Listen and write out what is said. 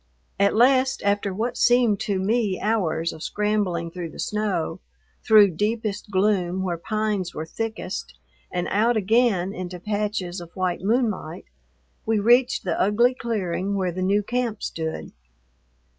At last, after what seemed to me hours of scrambling through the snow, through deepest gloom where pines were thickest, and out again into patches of white moonlight, we reached the ugly clearing where the new camp stood.